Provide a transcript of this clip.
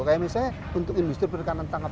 kayak misalnya untuk industri perbatasan tangkap